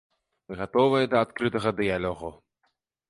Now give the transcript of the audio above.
Мы гатовыя да адкрытага дыялогу.